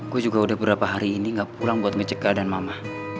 gue juga udah beberapa hari ini gak pulang buat ngeceka dan mama